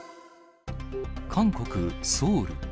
韓国・ソウル。